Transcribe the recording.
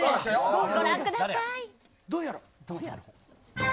ご覧ください。